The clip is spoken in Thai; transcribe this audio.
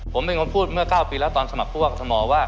ผมเป็นคนพูดเมื่อ๙ปีแล้วตอนสมัครผู้ว่ากรทมว่า